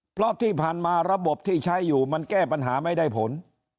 เพราะที่ผ่านมาระบบที่ใช้อยู่มันแก้ปัญหาไม่ได้ผล